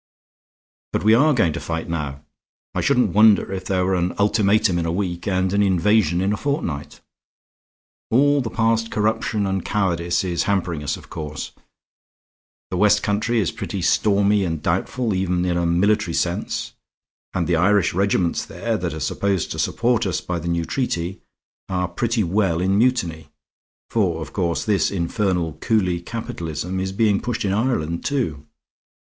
But we are going to fight now; I shouldn't wonder if there were an ultimatum in a week and an invasion in a fortnight. All the past corruption and cowardice is hampering us, of course; the West country is pretty stormy and doubtful even in a military sense; and the Irish regiments there, that are supposed to support us by the new treaty, are pretty well in mutiny; for, of course, this infernal coolie capitalism is being pushed in Ireland, too.